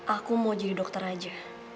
aku mau jadi dokter aja